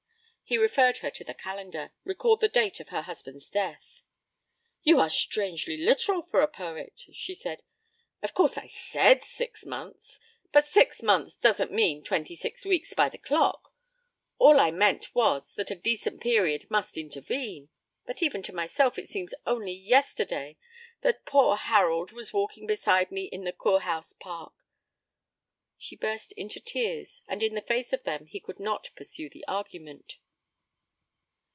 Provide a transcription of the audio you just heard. He referred her to the calendar, recalled the date of her husband's death. 'You are strangely literal for a poet,' she said. 'Of course I said six months, but six months doesn't mean twenty six weeks by the clock. All I meant was that a decent period must intervene. But even to myself it seems only yesterday that poor Harold was walking beside me in the Kurhaus Park.' She burst into tears, and in the face of them he could not pursue the argument.